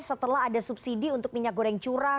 setelah ada subsidi untuk minyak goreng curah